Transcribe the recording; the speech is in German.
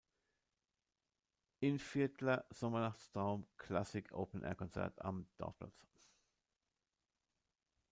Innviertler Sommernachtstraum, Klassik Open Air Konzert am Dorfplatz